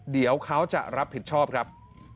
เดี๋ยวเขาจะรับผิดชอบครับ